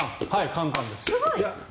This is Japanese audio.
簡単です。